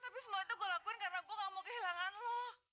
tapi semua itu gue lakuin karena gue gak mau kehilangan lo